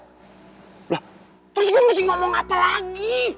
terus gue mesti ngomong apa lagi